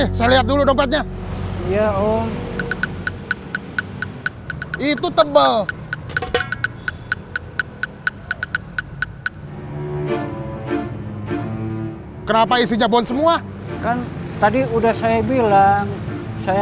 kita lihat dulu dompetnya iya om itu tebel kenapa isi jabon semua kan tadi udah saya bilang saya